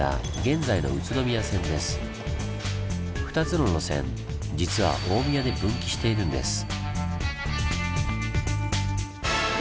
２つの路線実は大宮で分岐しているんです。